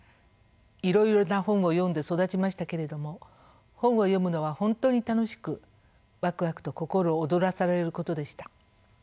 いろいろな本を読んで育ちましたけれども本を読むのは本当に楽しくわくわくと心躍らされることでした。